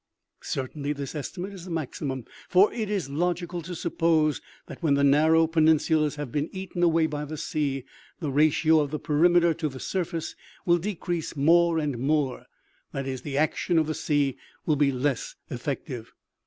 Cer tainly this estimate is a maximum ; for it is logical to suppose that, when the narrow peninsulas have been eaten away by the sea, the ratio of the perimeter to the surface will decrease more and more that is, the action of the sea will be less effective.